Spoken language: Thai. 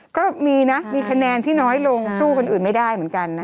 ก็มีนะมีคะแนนที่น้อยลงสู้คนอื่นไม่ได้เหมือนกันนะ